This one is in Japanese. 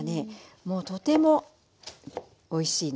もうとてもおいしいの。